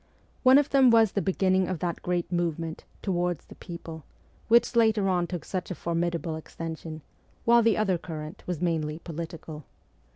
One of them was the be ginning of that great movement ' towards the people ' which later on took such a formidable extension, while the other current was mainly political.